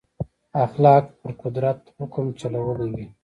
اخلاق پر قدرت حکم چلولی وي.